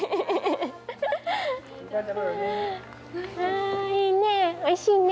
ああいいね。